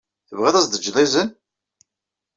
Tebɣid ad as-d-tejjed izen?